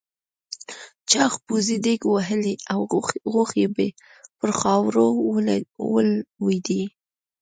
چاغ پوځي دېگ ووهلو او غوښې پر خاورو ولوېدې.